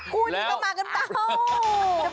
คู่นี้ก็มากันเปล่า